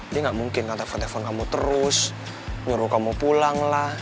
ini gak mungkin kan telepon telepon kamu terus nyuruh kamu pulang lah